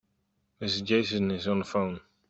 Mrs. Jason is on the phone.